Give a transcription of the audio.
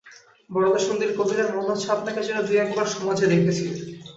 বরদাসুন্দরী কহিলেন, মনে হচ্ছে আপনাকে যেন দুই-একবার সমাজে দেখেছি।